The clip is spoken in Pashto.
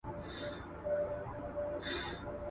که سیاست جوړونکی معلومات و نلري نو ناکامیږي.